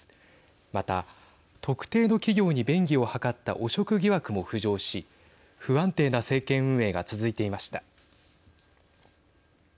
また、特定の企業に便宜を図った汚職疑惑も浮上し不安定な政権運営が続いていました。